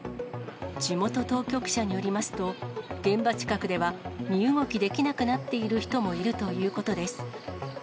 地元当局者によりますと、現場近くでは、身動きできなくなっている人もいるということです。